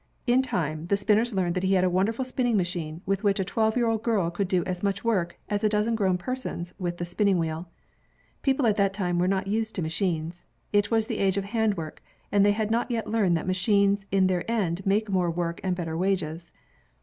In time, the spinners learned that he had a wonderful spinning machine with which a twelve year old girl could do as much work as a dozen grown persons with the spinning wheel. People at that time were not used to machines. It was the age of handwork, and they had not yet learned that machines in the end make more work and better wages.